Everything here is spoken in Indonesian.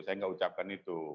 saya enggak ucapkan itu